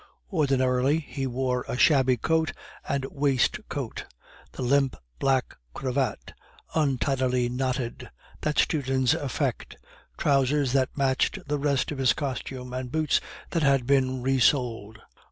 Ordinarily he wore a shabby coat and waistcoat, the limp black cravat, untidily knotted, that students affect, trousers that matched the rest of his costume, and boots that had been resoled.